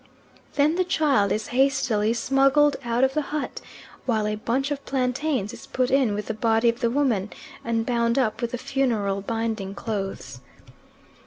Then the child is hastily smuggled out of the hut, while a bunch of plantains is put in with the body of the woman and bound up with the funeral binding clothes.